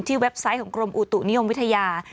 เว็บไซต์ของกรมอุตุนิยมวิทยา